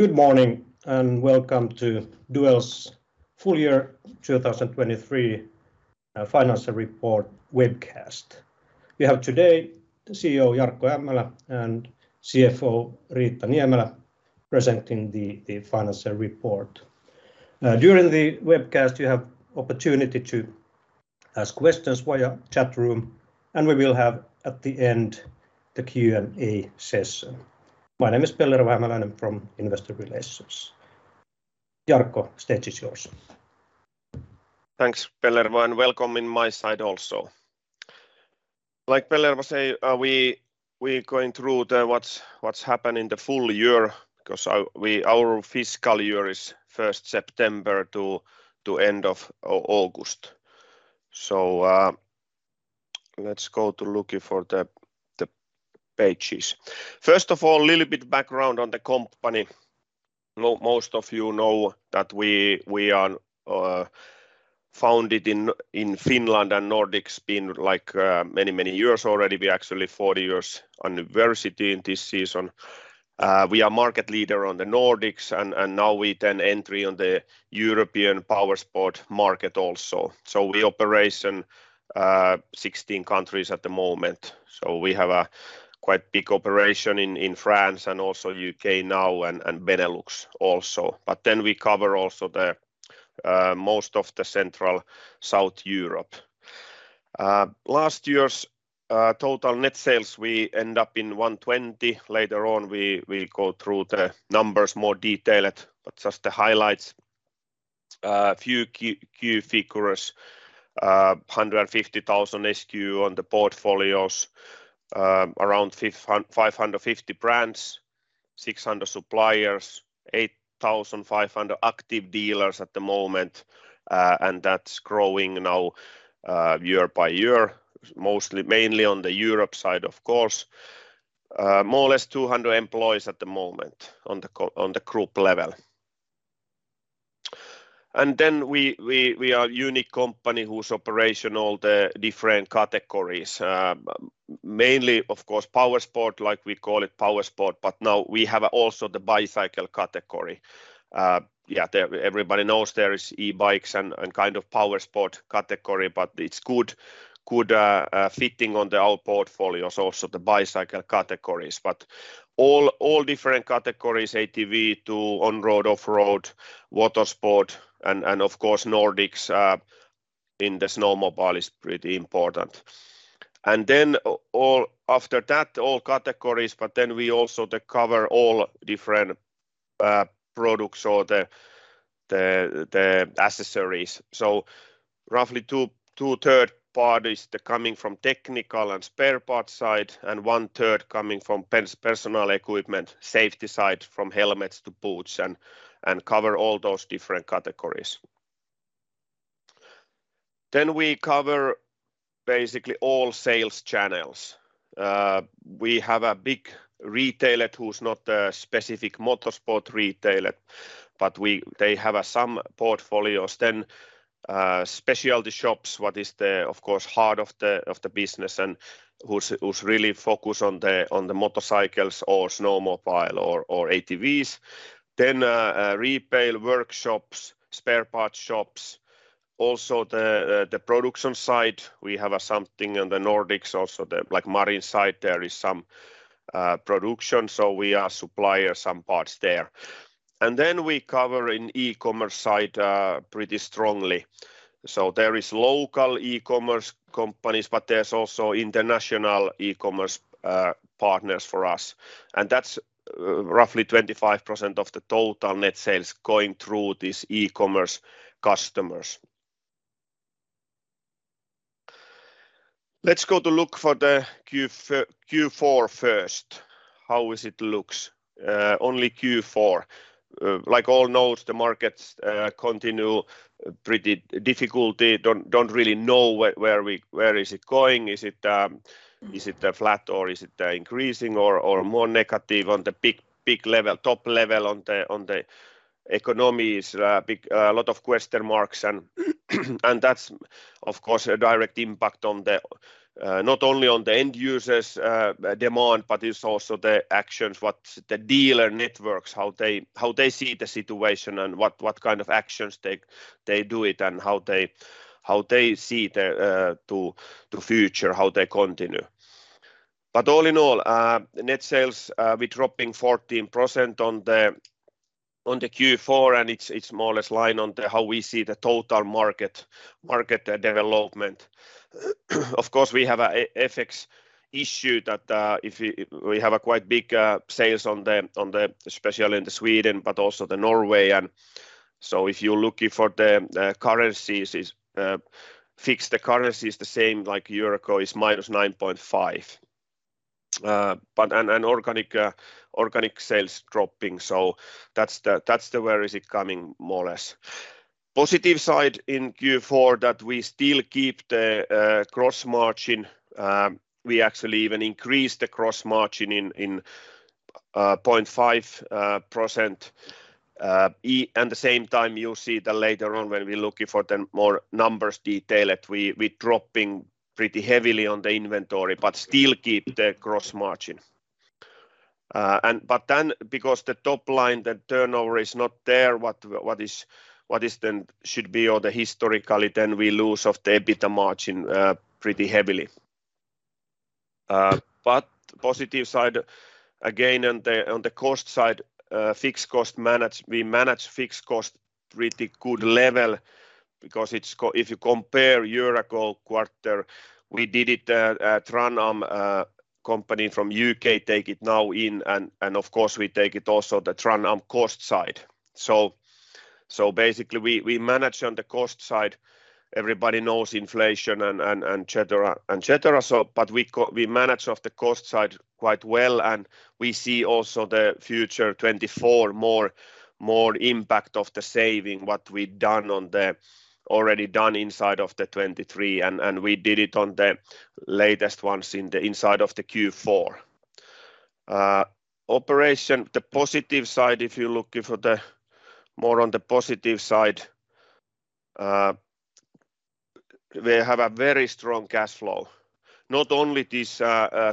Good morning, and welcome to Duell full year 2023, financial report webcast. We have today the CEO, Jarkko Ämmälä, and CFO, Riitta Niemelä, presenting the financial report. During the webcast, you have opportunity to ask questions via chat room, and we will have at the end the Q&A session. My name is Pellervo Hämäläinen from Investor Relations. Jarkko, stage is yours. Thanks, Pellervo, and welcome from my side also. Like Pellervo say, we going through the what's happened in the full year, 'cause our fiscal year is 1st September to end of August. So, let's go to looking for the pages. First of all, little bit background on the company. Most of you know that we are founded in Finland and Nordics, been like many years already. We actually 40 years anniversary in this season. We are market leader on the Nordics, and now we then entry on the European powersport market also. So we operation 16 countries at the moment, so we have a quite big operation in France and also U.K. now, and Benelux also. But then we cover also the most of the central South Europe. Last year's total net sales, we end up in 120 million. Later on, we will go through the numbers more detailed, but just the highlights, a few key, key figures. 150,000 SKU on the portfolios, around 550 brands, 600 suppliers, 8,500 active dealers at the moment, and that's growing now year by year. Mostly, mainly on the Europe side, of course. More or less 200 employees at the moment on the group level. We are unique company whose operation all the different categories. Mainly, of course, Powersport, like we call it Powersport, but now we have also the bicycle category. Yeah, everybody knows there is e-bikes and kind of powersport category, but it's good, good fitting on our portfolios, also, the bicycle categories. All different categories, ATV to on-road, off-road, watersport, and of course, Nordics, in the snowmobile is pretty important. After that, all categories, but then we also cover all different products or the accessories. So roughly two, 2/3 parties, they're coming from technical and spare parts side, and one third coming from personal equipment, safety side, from helmets to boots, and cover all those different categories. We cover basically all sales channels. We have a big retailer who's not a specific motorsport retailer, but they have some portfolios. Specialty shops, what is the, of course, heart of the business and who's really focused on the motorcycles or snowmobile or ATVs. Retail workshops, spare parts shops. Also, the production side, we have something in the Nordics also, like, marine side, there is some production, so we are supplier some parts there. We cover in e-commerce side pretty strongly. There is local e-commerce companies, but there's also international e-commerce partners for us, and that's roughly 25% of the total net sales going through this e-commerce customers. Let's go to look for the Q4 first. How is it looks? Only Q4. Like all knows, the markets continue pretty difficulty. Don't really know where, where we- where is it going. Is it flat or is it increasing or more negative on the big, big level, top level on the economies? Big, a lot of question marks, and that's, of course, a direct impact on the, not only on the end users, demand, but it's also the actions, what the dealer networks, how they see the situation and what kind of actions they do it and how they see the, to future, how they continue. All in all, net sales, we dropping 14% on the Q4, and it's more or less line on the how we see the total market, market development. Of course, we have a FX issue that, if we have quite big sales on the- on the, especially in Sweden, but also Norway. And so if you're looking for the currencies, fixed the currencies the same like Euro is -9.5%. But and organic sales dropping, so that's where it's coming, more or less. Positive side in Q4, that we still keep the gross margin. We actually even increased the gross margin in 0.5%. At the same time, you'll see that later on when we're looking for the more numbers detail, that we're dropping pretty heavily on the inventory, but still keep the gross margin. And but then because the top line, the turnover is not there, what, what is, what is then should be or the historically, then we lose of the EBITDA margin, pretty heavily. But the positive side, again, on the, on the cost side, fixed cost manage-- we manage fixed cost pretty good level because it's co- if you compare year ago quarter, we did it, at TranAm, company from U.K., take it now in and, and of course, we take it also the TranAm cost side. So, so basically, we, we manage on the cost side. Everybody knows inflation and, and, and et cetera, and et cetera. So but we co- we manage of the cost side quite well, and we see also the future 2024 more, more impact of the saving, what we've done on the already done inside of the 2023, and we did it on the latest ones inside of the Q4. On the operational side, the positive side, if you're looking for more on the positive side, we have a very strong cash flow. Not only this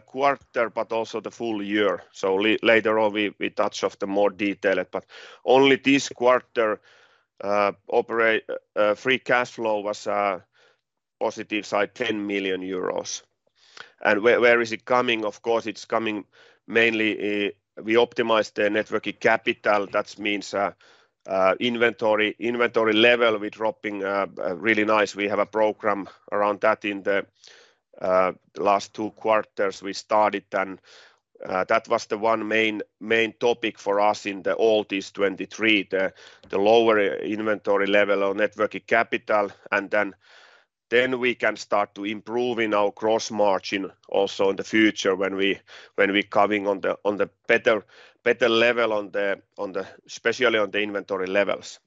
quarter, but also the full year. So later on, we touch on the more detail, but only this quarter, operating free cash flow was on the positive side, 10 million euros. And where is it coming? Of course, it's coming mainly, we optimized the net working capital. That means, inventory level, we're dropping really nice. We have a program around that in the last two quarters we started, and that was the one main topic for us in all this 2023, the lower inventory level of net working capital. And then we can start to improving our gross margin also in the future when we coming on the better level on the especially on the inventory levels.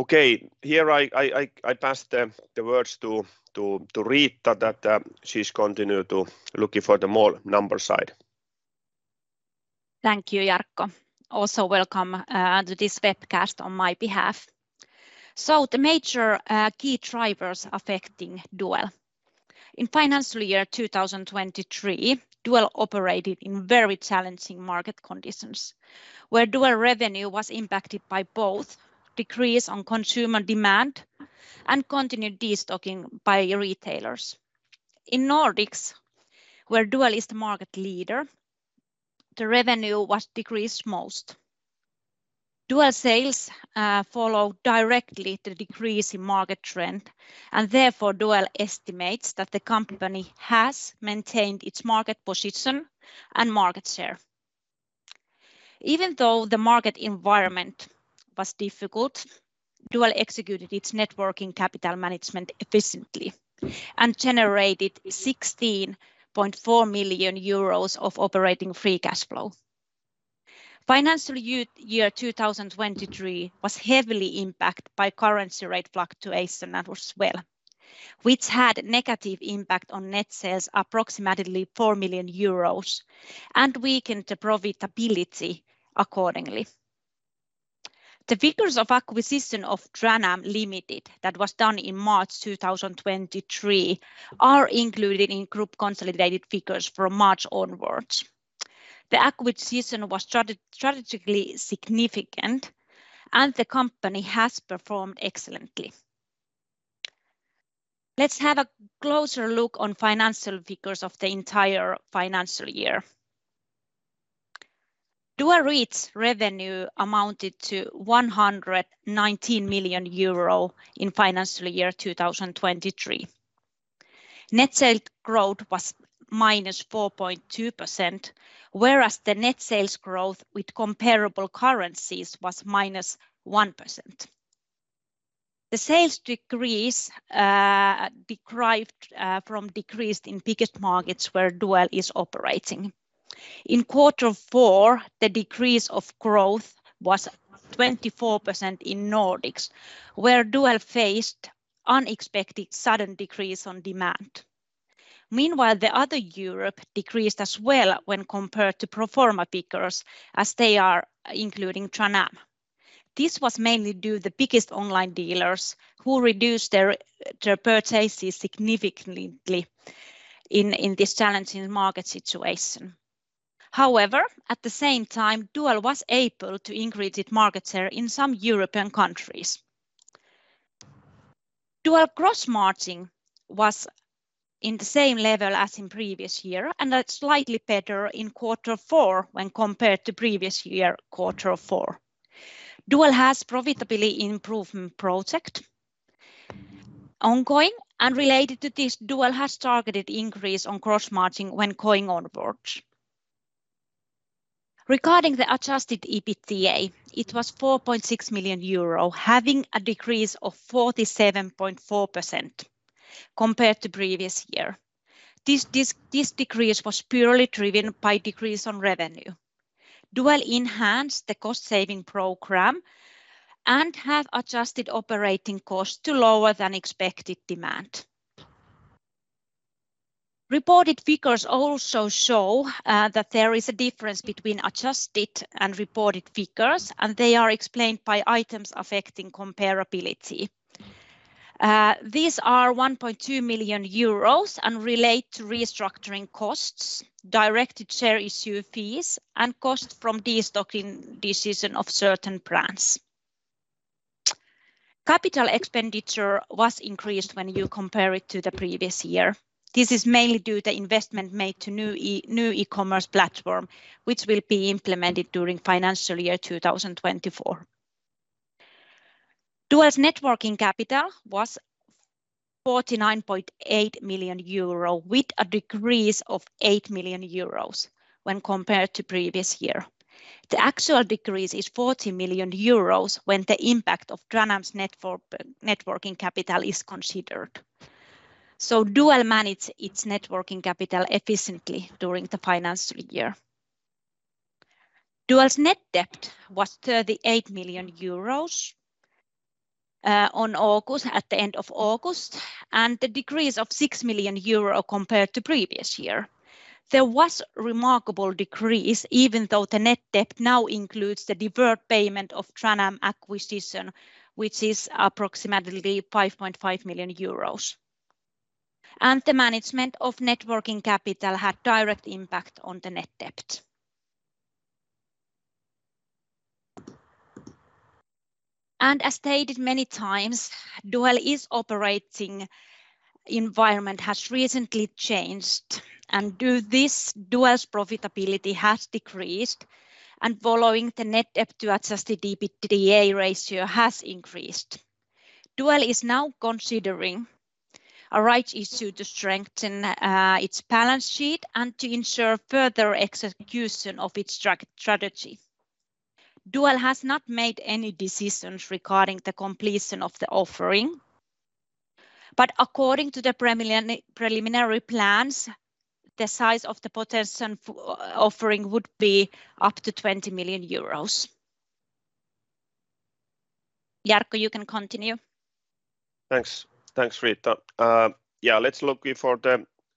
Okay, here I pass the words to Riitta, that she's continue to looking for the more number side. Thank you, Jarkko. Also, welcome to this webcast on my behalf. The major key drivers affecting Duell in financial year 2023, Duell operated in very challenging market conditions, where Duell revenue was impacted by both decrease on consumer demand and continued destocking by retailers. In Nordics, where Duell is the market leader, the revenue was decreased most. Duell sales followed directly the decrease in market trend, and therefore, Duell estimates that the company has maintained its market position and market share. Even though the market environment was difficult, Duell executed its net working capital management efficiently and generated 16.4 million euros of operating free cash flow. Financial year 2023 was heavily impacted by currency rate fluctuation as well, which had negative impact on net sales, approximately 4 million euros, and weakened the profitability accordingly. The figures of acquisition of TranAm Ltd, that was done in March 2023, are included in group consolidated figures from March onwards. The acquisition was strategically significant, and the company has performed excellently. Let's have a closer look on financial figures of the entire financial year. Duell revenue amounted to 119 million euro in financial year 2023. Net sales growth was -4.2%, whereas the net sales growth with comparable currencies was -1%. The sales decrease derived from decreased in biggest markets where Duell is operating. In quarter four, the decrease of growth was 24% in Nordics, where Duell faced unexpected sudden decrease on demand. Meanwhile, the other Europe decreased as well when compared to pro forma figures, as they are including TranAm. This was mainly due to the biggest online dealers who reduced their purchases significantly in this challenging market situation. However, at the same time, Duell was able to increase its market share in some European countries. Duell gross margin was in the same level as in previous year, and slightly better in quarter four when compared to previous year quarter four. Duell has profitability improvement project ongoing, and related to this, Duell has targeted increase on gross margin when going onwards. Regarding the adjusted EBITDA, it was 4.6 million euro, having a decrease of 47.4% compared to previous year. This decrease was purely driven by decrease on revenue. Duell enhanced the cost saving program and have adjusted operating costs to lower than expected demand. Reported figures also show that there is a difference between adjusted and reported figures, and they are explained by items affecting comparability. These are 1.2 million euros and relate to restructuring costs, directed share issue fees, and costs from destocking decision of certain brands. Capital expenditure was increased when you compare it to the previous year. This is mainly due to investment made to new e-commerce platform, which will be implemented during financial year 2024. Duell's net working capital was 49.8 million euro, with a decrease of 8 million euros when compared to previous year. The actual decrease is 40 million euros when the impact of TranAm's net working capital is considered. So Duell managed its net working capital efficiently during the financial year. Duell's net debt was 38 million euros at the end of August, and the decrease of 6 million euro compared to previous year. There was remarkable decrease, even though the net debt now includes the deferred payment of TranAm acquisition, which is approximately 5.5 million euros. The management of net working capital had direct impact on the net debt. As stated many times, Duell's operating environment has recently changed, and due to this, Duell's profitability has decreased, and following the net debt to adjusted EBITDA ratio has increased. Duell is now considering a rights issue to strengthen its balance sheet and to ensure further execution of its strategy. Duell has not made any decisions regarding the completion of the offering, but according to the preliminary plans, the size of the potential offering would be up to 20 million euros. Jarkko, you can continue. Thanks. Thanks, Riitta. Yeah, let's look at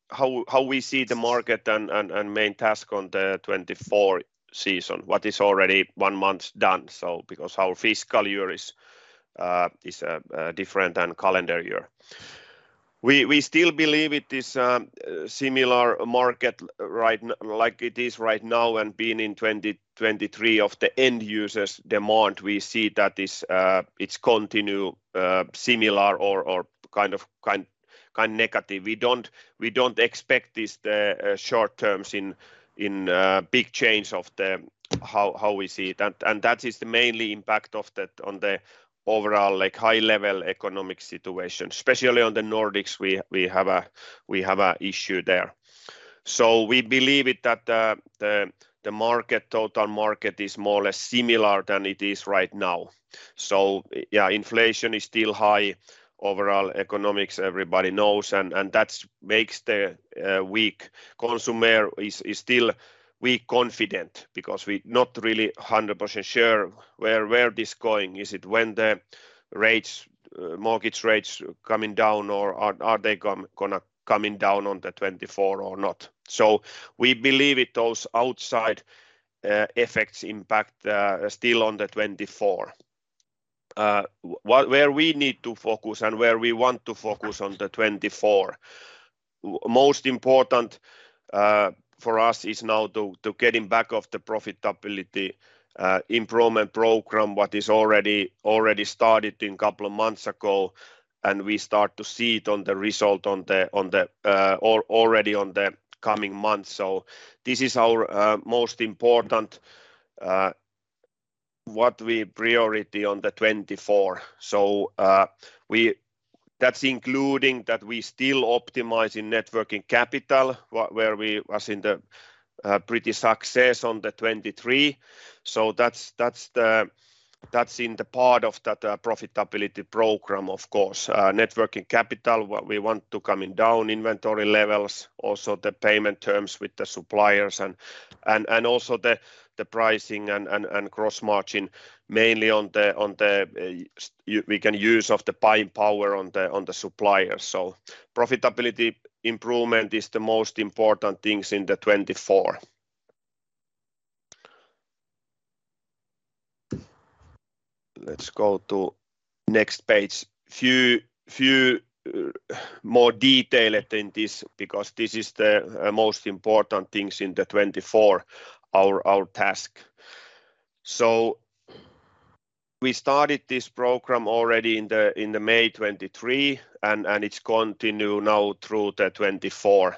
how we see the market and main task on the 2024 season, what is already one month done. So because our fiscal year is different than calendar year. We still believe it is similar market right like it is right now and been in 2023 of the end users' demand. We see that this, it's continue similar or kind negative. We don't expect this, the short terms in big change of the how we see it. And that is the mainly impact of that on the overall, like, high-level economic situation. Especially on the Nordics, we have a issue there. So we believe it, that the market, total market is more or less similar than it is right now. So yeah, inflation is still high. Overall economics, everybody knows, and that's makes the weak consumer is still weak confident because we not really 100% sure where this going. Is it when the rates, mortgage rates coming down, or are they gonna coming down on the 2024 or not? So we believe it, those outside effects impact still on the 2024. What. Where we need to focus and where we want to focus on the 2024, most important for us is now to getting back of the profitability improvement program, what is already started in couple of months ago, and we start to see it on the result on the already on the coming months. So this is our most important what we priority on the 2024. So, we. That's including that we still optimizing net working capital, where we was in the pretty success on the 2023. So that's, that's the, that's in the part of that profitability program, of course. Net working capital, what we want to coming down inventory levels, also the payment terms with the suppliers and also the pricing and gross margin, mainly on the, on the, we can use of the buying power on the, on the suppliers. So profitability improvement is the most important things in 2024. Let's go to next page. Few more detail than this, because this is the most important things in 2024, our task. So we started this program already in May 2023, and it's continue now through 2024. We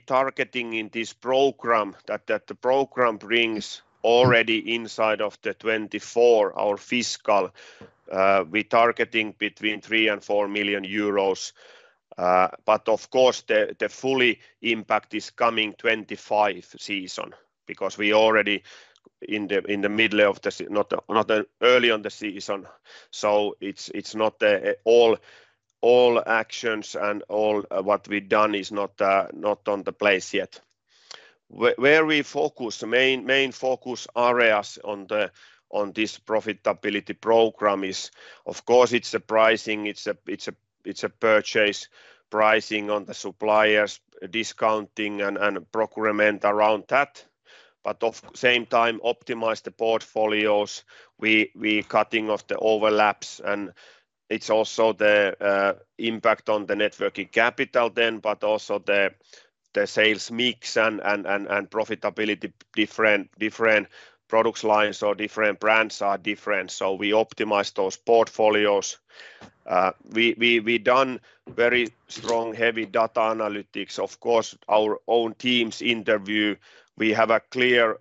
targeting in this program that the program brings already inside of 2024, our fiscal, we targeting between 3 million and 4 million euros. But of course, the full impact is coming 2025 season, because we are already in the middle of the not early in the season. So it's not all actions and all what we've done is not in place yet. Where we focus, the main focus areas on this profitability program is, of course, the pricing. It's the purchase pricing on the suppliers, discounting and procurement around that. But at the same time, optimize the portfolios. We are cutting off the overlaps, and it's also the impact on the net working capital then, but also the sales mix and profitability, different product lines or different brands are different. So we optimize those portfolios. We have done very strong, heavy data analytics. Of course, our own teams interview. We have a clear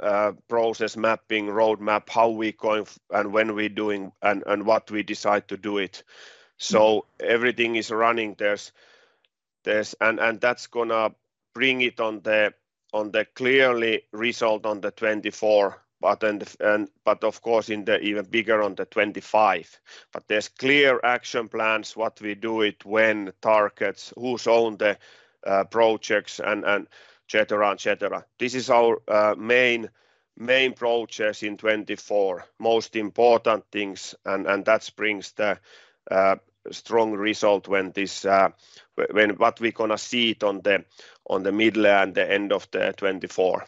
process mapping roadmap, how we going and when we're doing and, and what we decide to do it. So everything is running. There's. And that's gonna bring it on the clearly result on the 2024. But then, but of course, in the even bigger on the 2025. But there's clear action plans, what we do it, when, targets, who's own the projects, and et cetera. This is our main projects in 2024, most important things, and that brings the strong result when this, when what we're gonna see it on the middle and the end of the 2024.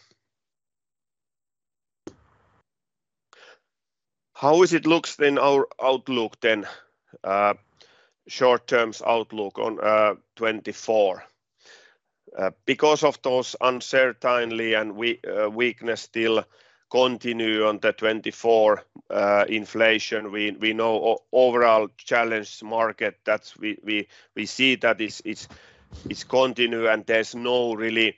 How is it looks then our outlook then? Short terms outlook on 2024. Because of those uncertainty and weakness still continue on the 2024, inflation, overall challenged market, that's, we see that it's continue, and there's no really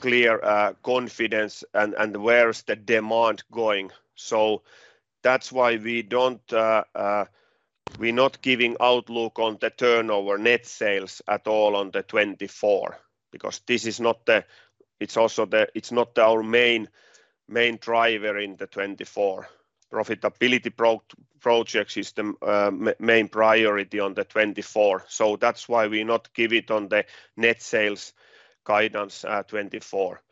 clear confidence and where is the demand going? So that's why we don't, we're not giving outlook on the turnover net sales at all on the 2024, because this is not the. It's also the- It's not our main driver in the 2024. Profitability project is the main priority on the 2024, so that's why we not give it on the net sales guidance, 2024.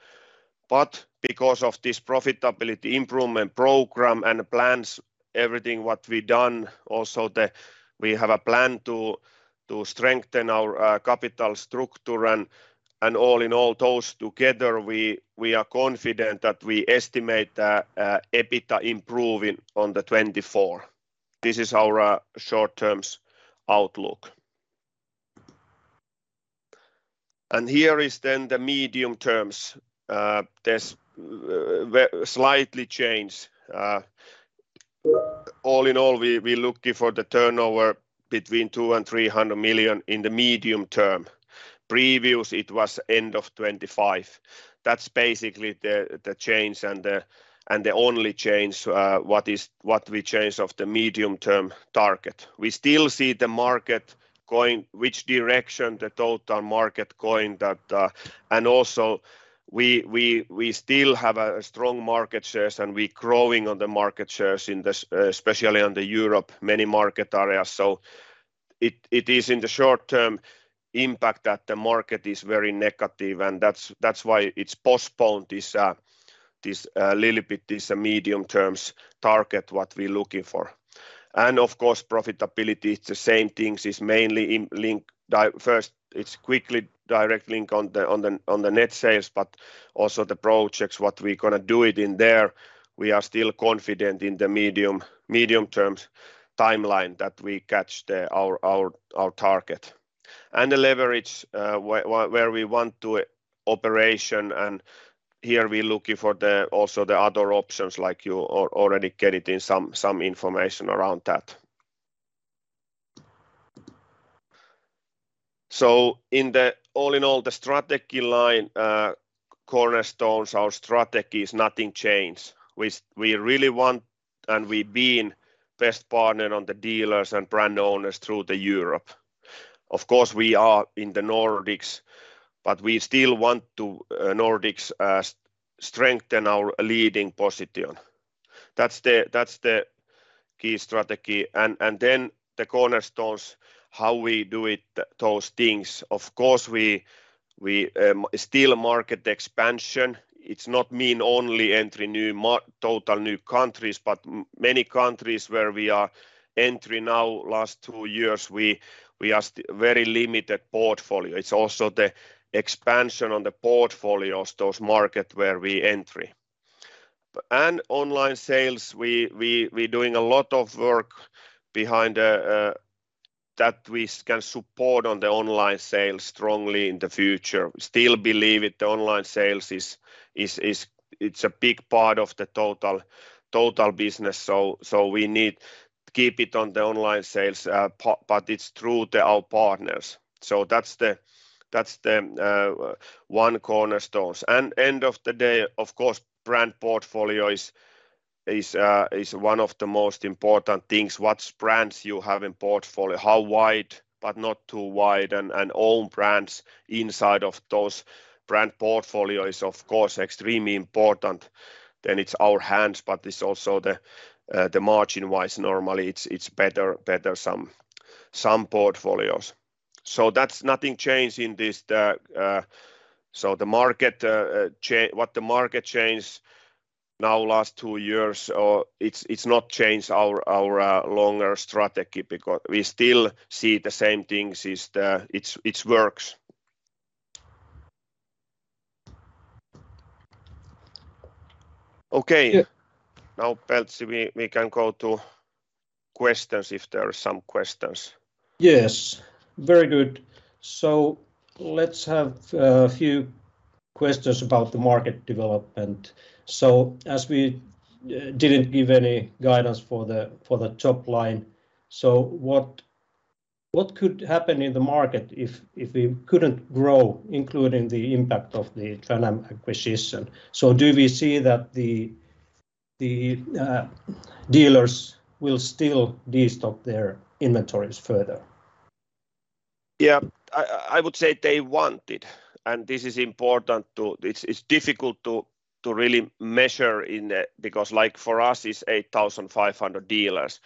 Because of this profitability improvement program and plans, everything we've done, also we have a plan to strengthen our capital structure, and all in all, those together, we are confident that we estimate that EBITDA improving on 2024. This is our short-term outlook. Here is the medium term. There's slightly change. All in all, we looking for the turnover between 200 million-300 million in the medium term. Previous, it was end of 2025. That's basically the change and the only change, what is what we change of the medium-term target. We still see the market going, which direction the total market going that. We still have a strong market shares, and we're growing on the market shares in the, especially on the Europe, many market areas. It is in the short term impact that the market is very negative, and that's why it's postponed this, this little bit, this medium terms target, what we're looking for. Of course, profitability, it's the same things. It's mainly in link di- First, it's quickly direct link on the net sales, but also the projects, what we're gonna do it in there. We are still confident in the medium, medium terms timeline that we catch the, our, our, our target. The leverage, wh- where we want to operation, and here we looking for the also the other options like you al- already getting some, some information around that. All in all, the strategy line, cornerstones, our strategy is nothing changed. We really want, and we've been best partner on the dealers and brand owners through the Europe. Of course, we are in the Nordics, but we still want to, Nordics, strengthen our leading position. That's the key strategy. And then the cornerstones, how we do it, those things. Of course, we still market expansion. It's not mean only entry new mar- total new countries, but many countries where we are entering now, last two years, we are st- very limited portfolio. It's also the expansion on the portfolios, those market where we entry. And online sales, we, we, we doing a lot of work behind the, that we can support on the online sales strongly in the future. Still believe it, the online sales is it's a big part of the total business, so we need keep it on the online sales, but it's through our partners. So that's the one cornerstones. And end of the day, of course, brand portfolio is one of the most important things. What brands you have in portfolio, how wide, but not too wide, and own brands inside of those brand portfolio is of course, extremely important. Then it's our hands, but it's also the margin-wise, normally, it's better some portfolios. So that's nothing changed in this. So the market, what the market changed now last two years, it's not changed our longer strategy because we still see the same things. It's works. Okay. Yeah. Now, Peltsi, we can go to questions if there are some questions. Yes. Very good. So let's have a few questions about the market development. So as we didn't give any guidance for the, for the top line, so what, what could happen in the market if, if we couldn't grow, including the impact of the TranAm acquisition? So do we see that the, the dealers will still destock their inventories further? Yeah, I would say they want it, and this is important, too. It's difficult to really measure in the. Because, like, for us, it's 8,500 dealers.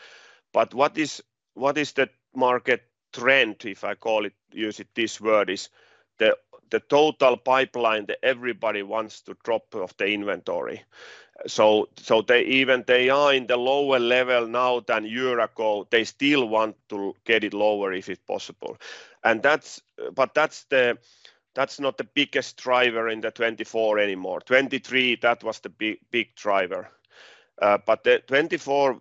But what is the market trend, if I call it, use it this word, is the total pipeline that everybody wants to drop off the inventory. So they even- they are in the lower level now than a year ago. They still want to get it lower, if it's possible. And that's, but that's not the biggest driver in the 2024 anymore. 2023, that was the big, big driver. The 2024,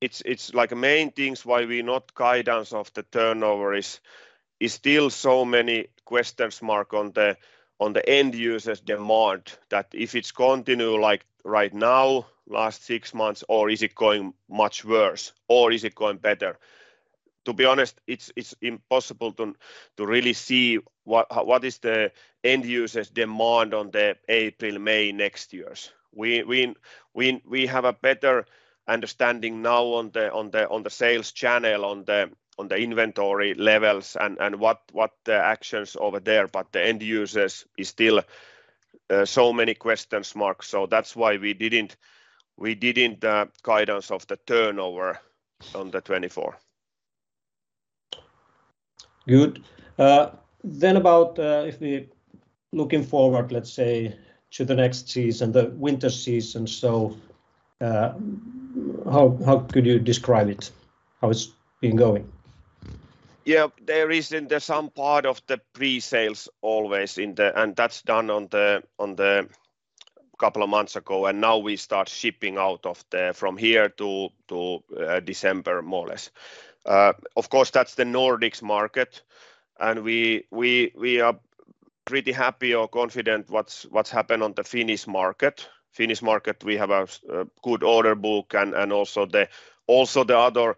it's, it's like main things why we not guidance of the turnover is, is still so many questions mark on the, on the end users' demand, that if it's continue, like right now, last six months, or is it going much worse or is it going better? To be honest, it's, it's impossible to, to really see what, what is the end users' demand on the April, May next years. We, we, we, we have a better understanding now on the, on the, on the sales channel, on the, on the inventory levels and, and what, what the actions over there, but the end users is still, so many questions mark. That's why we didn't, we didn't, guidance of the turnover on the 2024. Good. Then, about if we looking forward, let's say, to the next season, the winter season. So, how could you describe it, how it's been going? Yeah. There is in the some part of the pre-sales always in the. And that's done on the, on the couple of months ago, and now we start shipping out of the from here to December, more or less. Of course, that's the Nordics market, and we, we, we are pretty happy or confident what's, what's happened on the Finnish market. Finnish market, we have a, a good order book and, and also the, also the other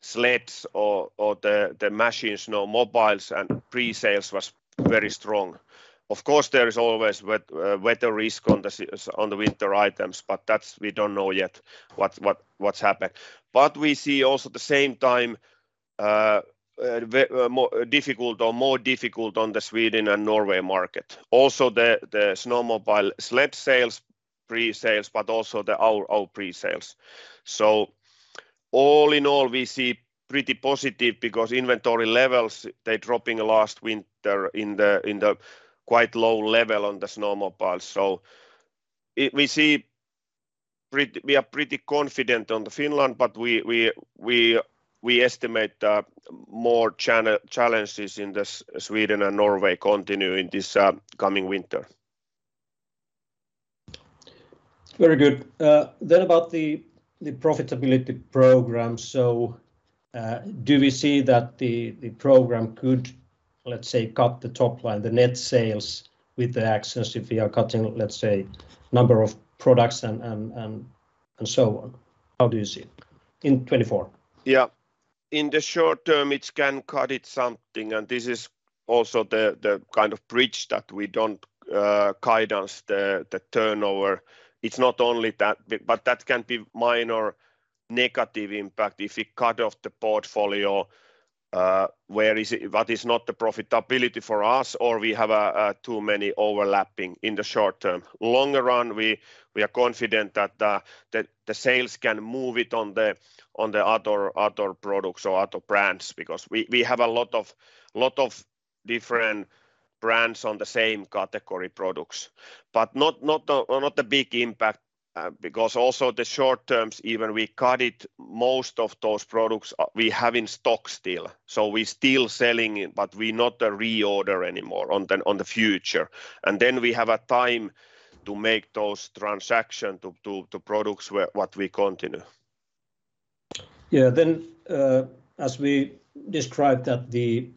sleds or, or the, the machines, snowmobiles and pre-sales was very strong. Of course, there is always weather risk on the sea- on the winter items, but that's we don't know yet what's, what, what's happened. But we see also the same time, more difficult or more difficult on the Sweden and Norway market. Also, the snowmobile sled sales, pre-sales, but also our pre-sales. So all in all, we see pretty positive because inventory levels, they dropping last winter in the quite low level on the snowmobiles. So we see pretty. We are pretty confident in Finland, but we estimate more challenges in Sweden and Norway continue in this coming winter. Very good. Then about the profitability program. So, do we see that the program could, let's say, cut the top line, the net sales with the access if we are cutting, let's say, number of products and so on? How do you see it in 2024? Yeah. In the short term, it can cut it something, and this is also the kind of bridge that we don't guidance the turnover. It's not only that, but that can be minor negative impact if we cut off the portfolio, where is it, what is not the profitability for us, or we have too many overlapping in the short term. Longer run, we are confident that the sales can move it on the other products or other brands, because we have a lot of different brands on the same category products. But not a big impact, because also the short terms, even we cut it, most of those products we have in stock still, so we still selling it, but we not reorder anymore on the future. We have a time to make those transaction to, to, to products where what we continue. Yeah. Then, as we described, the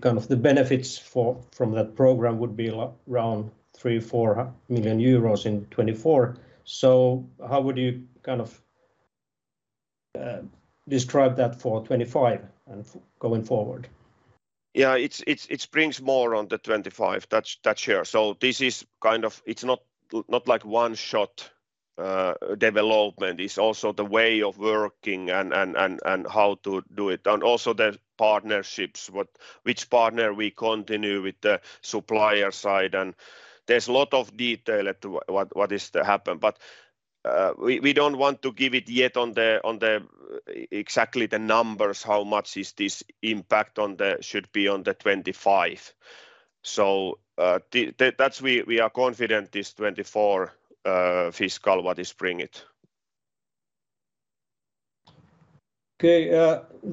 kind of benefits from that program would be around 3 million-4 million euros in 2024. So how would you kind of describe that for 2025 and going forward? Yeah, it brings more on the 2025. That's that year. This is kind of. It's not like one shot, development. It's also the way of working and how to do it, and also the partnerships, which partner we continue with the supplier side, and there's a lot of detail at to what is to happen. We don't want to give it yet on the exactly the numbers, how much is this impact on the-- should be on the 2025. The-- that's, we are confident this 2024 fiscal, what is bring it. Okay.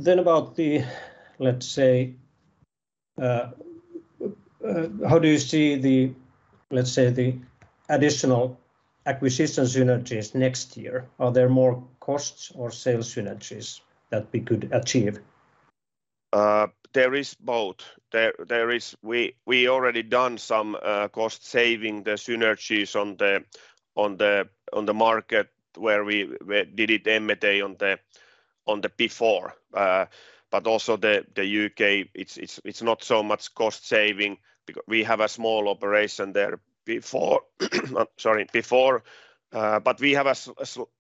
Then about the, let's say, how do you see the, let's say, the additional acquisition synergies next year? Are there more costs or sales synergies that we could achieve? There is both. There is. We already done some cost saving the synergies on the market where we did it M&A on the before. But also the U.K., it's not so much cost saving. We have a small operation there before, sorry, before. But we have a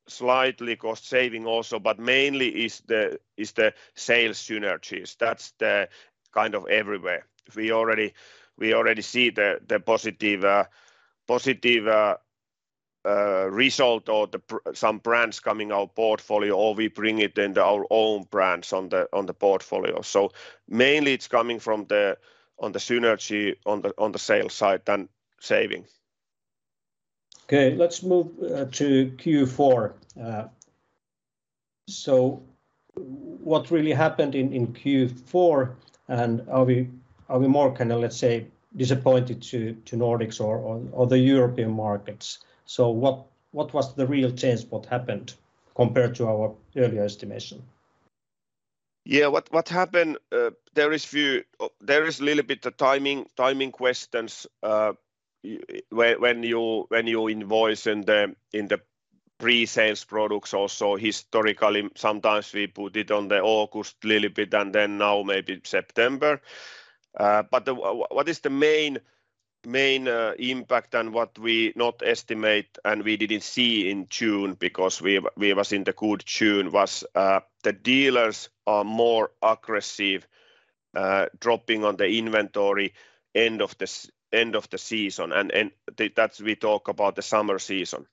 slightly cost saving also, but mainly is the sales synergies. That's the kind of everywhere. We already see the positive result or some brands coming our portfolio, or we bring it into our own brands on the portfolio. So mainly it's coming from the synergy on the sales side than saving. Okay, let's move to Q4. What really happened in Q4? Are we more kind of, let's say, disappointed to Nordics or the European markets? What was the real change what happened compared to our earlier estimation? Yeah. What happened, there is a few-- There is a little bit of timing, timing questions. When you invoice in the pre-sales products, also historically, sometimes we put it on August a little bit, and then now maybe September. What is the main, main impact and what we not estimate and we didn't see in June, because we were in a good June, was the dealers are more aggressive, dropping on the inventory end of the season. That's what we talk about, the summer season.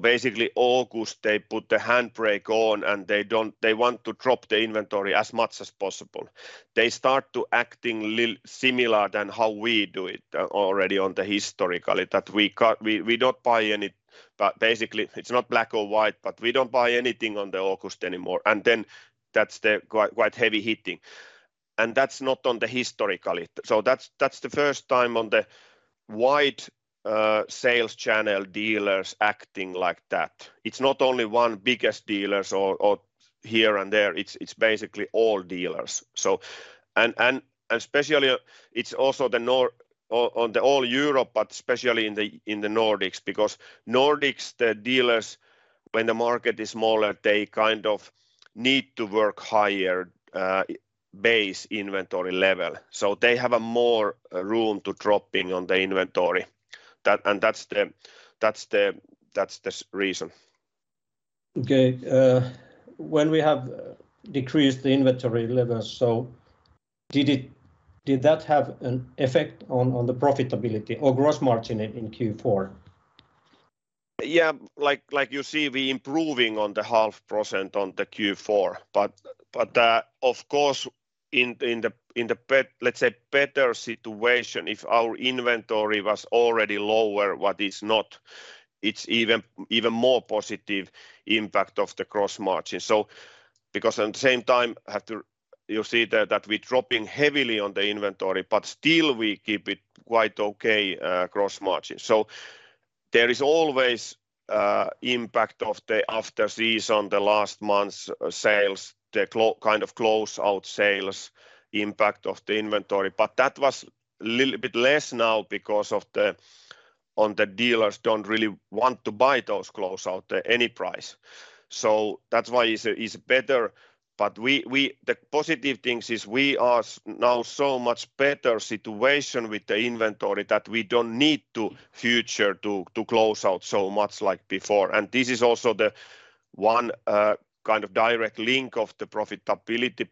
Basically, August, they put the handbrake on, and they want to drop the inventory as much as possible. They start to act a little similar to how we do it already historically, that we got-- we don't buy any. Basically, it's not black or white, but we don't buy anything in August anymore. That's quite, quite heavy hitting, and that's not historically. That's the first time on the wide sales channel dealers are acting like that. It's not only one biggest dealer or here and there. It's basically all dealers. Especially, it's also in all Europe, but especially in the Nordics, because Nordics, the dealers, when the market is smaller, they kind of need to work higher base inventory level, so they have more room to drop on the inventory. That's the reason. Okay. When we have decreased the inventory levels, so did that have an effect on the profitability or gross margin in Q4? Yeah. Like you see, we're improving on the 0.5% on the Q4. But of course, in the, let's say, better situation, if our inventory was already lower, what is not, it's even more positive impact of the gross margin. So because at the same time, have to. You see that we're dropping heavily on the inventory, but still we keep it quite okay gross margin. So there is always impact of the after season, the last month's sales, the kind of closeout sales impact of the inventory, but that was a little bit less now because the dealers don't really want to buy those closeout at any price. So that's why is better. But the positive things is we are now so much better situation with the inventory that we don't need to have to close out so much like before. And this is also the one kind of direct link of the profitability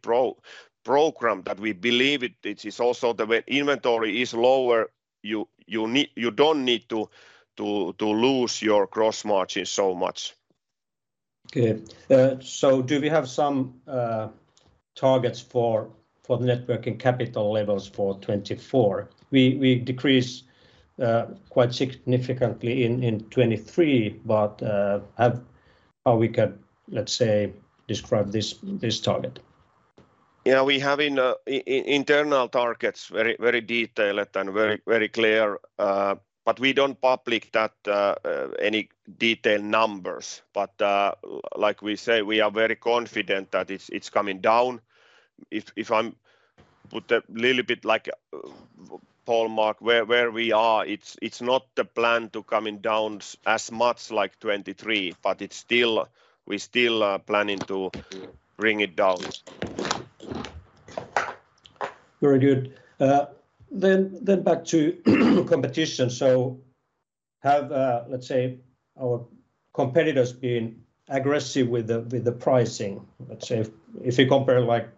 program, that we believe it. It is also the when inventory is lower, you don't need to lose your gross margin so much. Okay. So do we have some targets for the net working capital levels for 2024? We decreased quite significantly in 2023, but have. How we can, let's say, describe this target? Yeah, we have internal targets, very, very detailed and very, very clear. But we don't publish that any detailed numbers. But like we say, we are very confident that it's coming down. If I'm put a little bit like ballpark where we are, it's not the plan to coming down as much like 2023, but it's still- we still are planning to bring it down. Very good. Then back to competition. So have, let's say, our competitors been aggressive with the pricing? Let's say if you compare, like,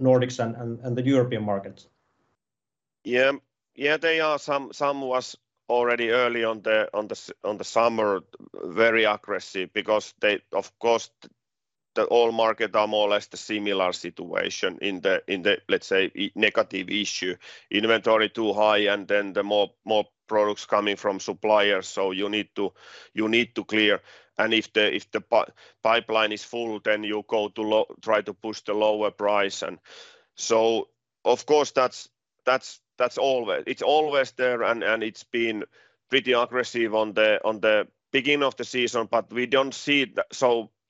Nordics and the European markets. Yeah. Yeah, they are some. Some was already early on the summer very aggressive because they, of course, the all market are more or less the similar situation in the, let's say, negative issue. Inventory too high, and then more products coming from suppliers. So you need to clear. And if the pipeline is full, then you go to try to push the lower price. And so of course, that's always. It's always there, and it's been pretty aggressive on the beginning of the season, but we don't see it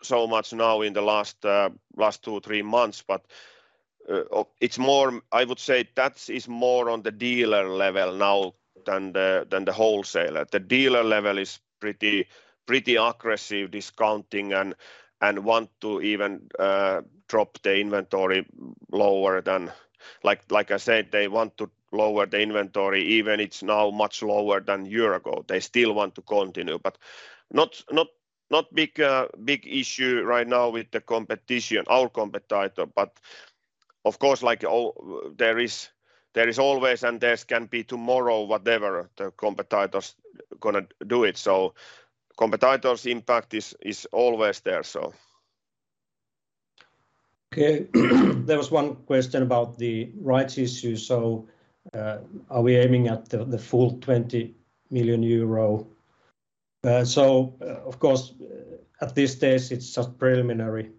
so much now in the last two, three months. But it's more. I would say that is more on the dealer level now than the wholesaler. The dealer level is pretty aggressive discounting and want to even drop the inventory lower than. Like I said, they want to lower the inventory, even it's now much lower than a year ago. They still want to continue, but not big issue right now with the competition, our competitor. But of course, like all, there is always and there can be tomorrow, whatever the competitors gonna do it. So competitors' impact is always there, so. Okay. There was one question about the rights issue. So, are we aiming at the full 20 million euro? So of course, at this stage, it's just preliminary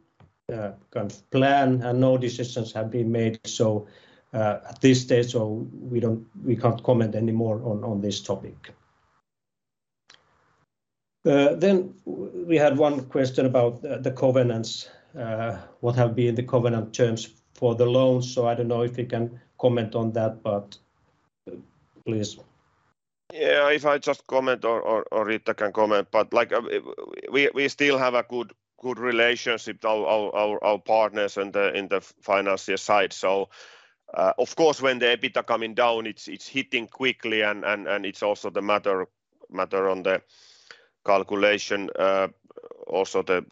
kind of plan, and no decisions have been made, so at this stage, we can't comment any more on this topic. Then we had one question about the covenants. What have been the covenant terms for the loans? So I don't know if you can comment on that, but please. Yeah, if I just comment or, or Riitta can comment, but like, we still have a good, good relationship with our, our, our partners and, in the financial side. Of course, when the EBITDA coming down, it's, it's hitting quickly and, and it's also the matter, matter on the calculation, also the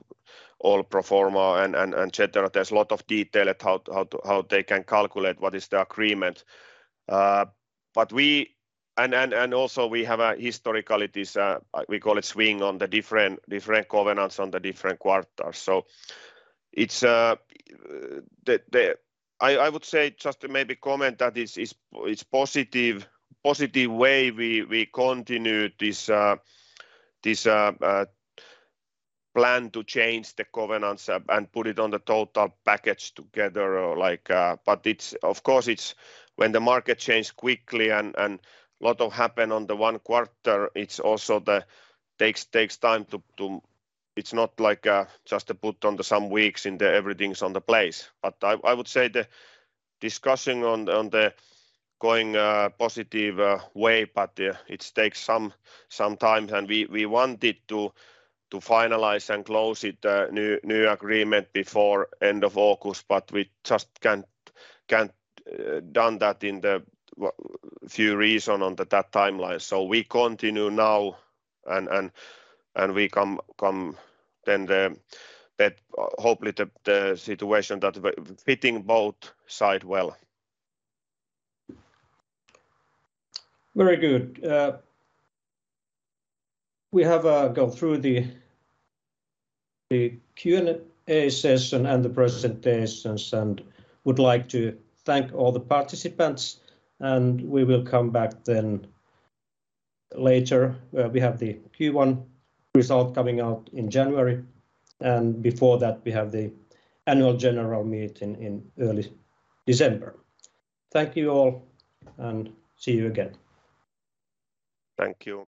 all pro forma and, et cetera. There's a lot of detail at how, how to, how they can calculate what is the agreement. We and, and also we have a historical, it is, we call it swing on the different, different covenants on the different quarters. It's, the, the. I would say just to maybe comment that it's positive way we continue this plan to change the covenants and put it on the total package together or like. But it's, of course, when the market changed quickly and a lot of happen on the one quarter, it also takes time to. It's not like just to put on the some weeks and the everything's on the place. But I would say the discussion on the going positive way, but it takes some time. And we wanted to finalize and close it, the new agreement, before end of August, but we just can't done that in the few reason on the that timeline. So we continue now and we come then to the situation that hopefully fits both sides well. Very good. We have gone through the Q&A session and the presentations, and would like to thank all the participants, and we will come back then later, where we have the Q1 result coming out in January. Before that, we have the annual general meeting in early December. Thank you all, and see you again. Thank you.